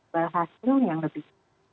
berhasil yang lebih